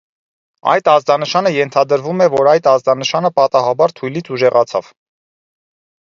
Այդ ազդանշանը ենթադրվում է որ այդ ազդանշանը պատահաբար թույլից ուժեղացավ։